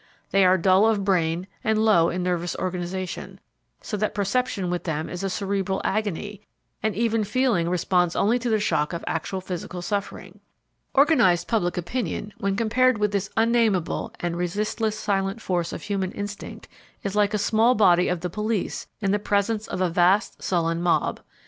They are dull of brain and low in nervous organization, so that perception with them is a cerebral agony and even feeling responds only to the shock of actual physical suffering. Organized public opinion, when compared with this unnameable and resistless silent force of human instinct is like a small body of the police in the presence of a vast sullen mob.